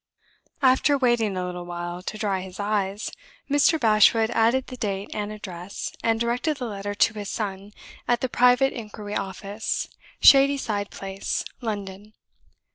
After waiting a little, to dry his eyes, Mr. Bashwood added the date and address, and directed the letter to his son, at "The Private Inquiry Office, Shadyside Place, London."